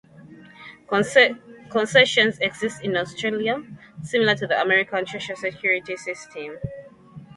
Concessions exist in Australia, similar to the American Social Security System.